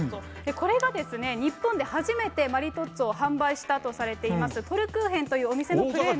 これがですね、日本で初めてマリトッツォを販売したとされています、トルクーヘンというお店のプレーン。